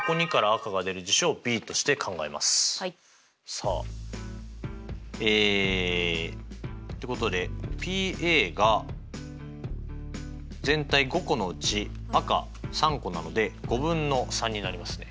さあえってことでＰが全体５個のうち赤３個なので５分の３になりますね。